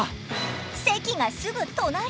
席がすぐ隣！